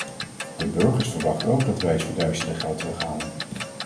De burgers verwachten ook dat wij het verduisterde geld terughalen.